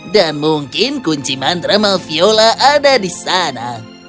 dan mungkin kunci mantra malfiola ada di sana